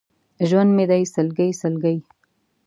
ژوند مې دی سلګۍ، سلګۍ!